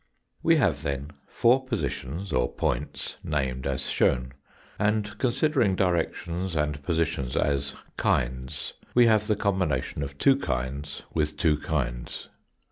We have then four positions or points named as shown, and, considering directions and positions as " kinds," we have the combination of two kinds with two kinds.